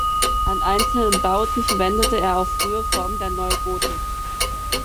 An einzelnen Bauten verwendete er auch frühe Formen der Neugotik.